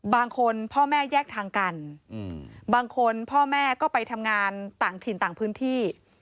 พ่อแม่แยกทางกันบางคนพ่อแม่ก็ไปทำงานต่างถิ่นต่างพื้นที่